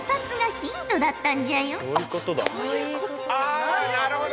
そういうことだ。